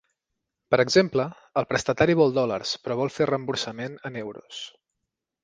Per exemple, el prestatari vol dòlars però vol fer reemborsaments en euros.